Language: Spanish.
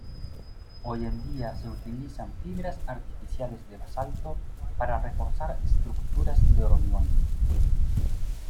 Hoy en día se utilizan fibras artificiales de basalto para reforzar estructuras de hormigón.